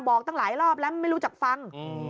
ตั้งหลายรอบแล้วไม่รู้จักฟัง